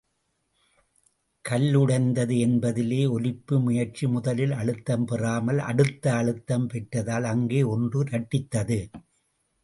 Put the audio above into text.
கல்லுடைந்தது என்பதிலே, ஒலிப்பு முயற்சி முதலில் அழுத்தம் பெறாமல் அடுத்து அழுத்தம் பெற்றதால் அங்கே ஒன்று இரட்டித்தது.